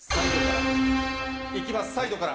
いきます、サイドから。